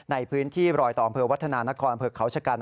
ในพื้นที่รอยต่ออำเภอวัฒนานครอำเภอเขาชะกัน